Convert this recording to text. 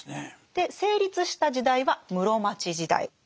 で成立した時代は室町時代。